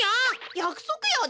やくそくやで！